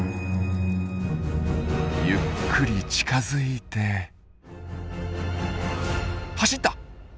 ゆっくり近づいて走った！